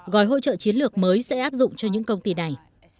gói hỗ trợ chiến lược mới sẽ áp dụng cho những công ty này